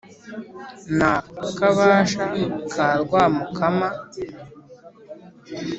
na kabasha ka rwamukama